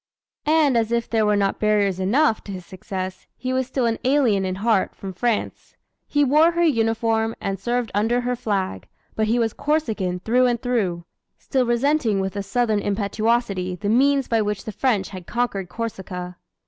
And as if there were not barriers enough to his success, he was still an alien in heart, from France. He wore her uniform and served under her flag, but he was Corsican through and through still resenting with a Southern impetuosity the means by which the French had conquered Corsica.